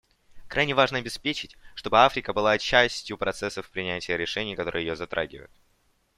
Крайне важно обеспечить, чтобы Африка была частью процессов принятия решений, которые ее затрагивают.